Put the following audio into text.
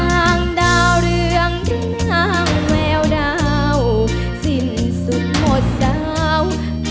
งดาวเรืองที่นางแววดาวสิ้นสุดหมดสาว